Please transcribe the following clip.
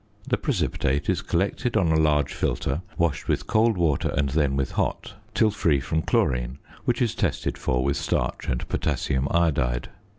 The precipitate is collected on a large filter, washed with cold water, and then with hot, till free from chlorine, which is tested for with starch and potassium iodide.